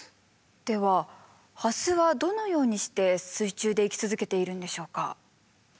ではハスはどのようにして水中で生き続けているのでしょうか？